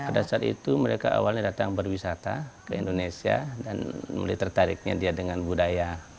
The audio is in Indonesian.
pada saat itu mereka awalnya datang berwisata ke indonesia dan mulai tertariknya dia dengan budaya